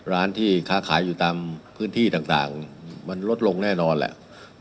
ร้านที่ค้าขายอยู่ตามพื้นที่ต่างมันลดลงแน่นอนแหละ